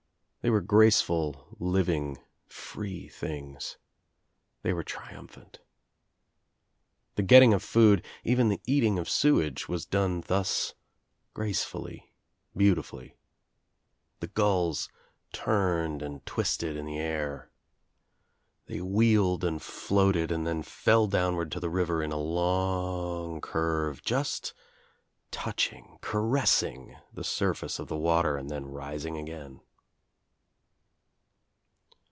They were graceful, living, free things. They were triumphant. The getting of food, even the eating of sewage was done thus gracefully, beautifully. The gulls turned and twisted in the air. They wheeled and 2l8 THE TRIUMPH OF THE EGG floated and then fell downward to the river in a long curve, just touching, caressing the surface of the water and then rising again.